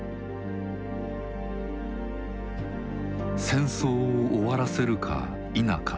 戦争を終わらせるか否か。